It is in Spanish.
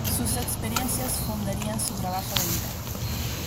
Sus experiencias fundarían su trabajo de vida.